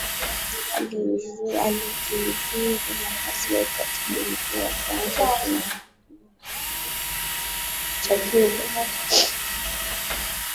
Alijiuzuru nafasi ya ukatibu mkuu wa Chama cha Kikomunisti cha Cuba